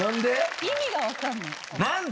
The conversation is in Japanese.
意味がわからない。